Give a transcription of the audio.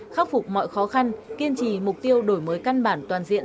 khắc phục mọi khó khăn kiên trì mục tiêu đổi mới căn bản toàn diện